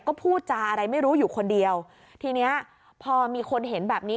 ก็พูดจาอะไรไม่รู้อยู่คนเดียวทีเนี้ยพอมีคนเห็นแบบนี้